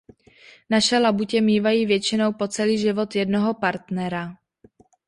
Naše labutě mívají většinou po celý život jednoho partnera.